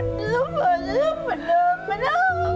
แล้วเผื่อฉันให้มันเดินไปนะ